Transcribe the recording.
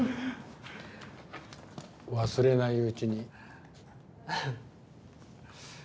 忘れないうちに。